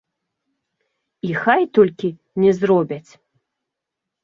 І хай толькі не зробяць.